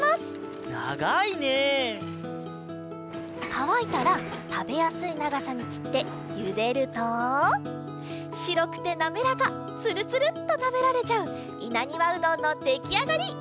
かわいたらたべやすいながさにきってゆでるとしろくてなめらかつるつるっとたべられちゃういなにわうどんのできあがり！